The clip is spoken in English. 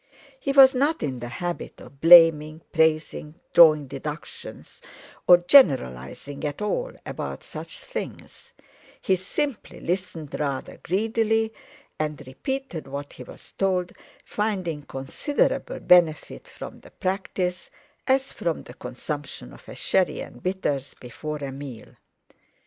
He was not in the habit of blaming, praising, drawing deductions, or generalizing at all about such things; he simply listened rather greedily, and repeated what he was told, finding considerable benefit from the practice, as from the consumption of a sherry and bitters before a meal.